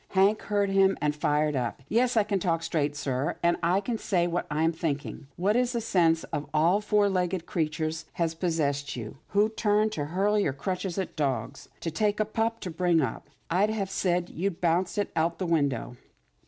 Hank heard him and fired up. " Yes I can talk straight, sir, and I'll say what I'm thinking. What, in the name of all four legged creatures, has pos sessed you, who used to hurl your crutches at dogs, to take a pup to bring up? I'd have said you'd bounce it out the window."